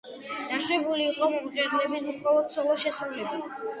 დაშვებული იყო მომღერლების მხოლოდ სოლო შესრულება.